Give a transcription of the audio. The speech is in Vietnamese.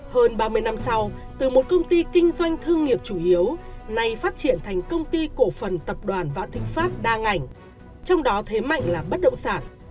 hơn ba mươi năm sau từ một công ty kinh doanh thương nghiệp chủ yếu nay phát triển thành công ty cổ phần tập đoàn vạn thịnh pháp đa ngành trong đó thế mạnh là bất động sản